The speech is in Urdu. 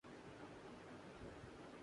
میں ایک دن پاکستان جانا چاہتاہوں